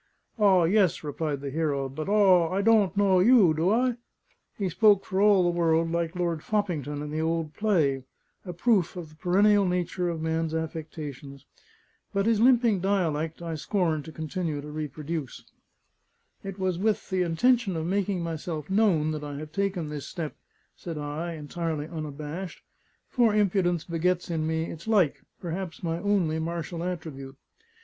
"Aw, yes," replied the hero; "but, aw! I dawn't knaw you, do I?" (He spoke for all the world like Lord Foppington in the old play a proof of the perennial nature of man's affectations. But his limping dialect, I scorn to continue to reproduce.) "It was with the intention of making myself known, that I have taken this step," said I, entirely unabashed (for impudence begets in me its like perhaps my only martial attribute).